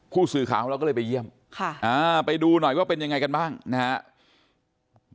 คู่สือขาวเราก็เลยไปเยี่ยมค่ะไปดูหน่อยว่าเป็นยังไงกันบ้างนะฮะ